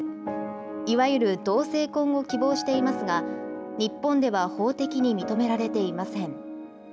いわゆる同性婚を希望していますが、日本では法的に認められていません。